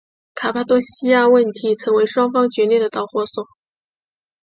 卡帕多细亚问题成为双方决裂的导火索。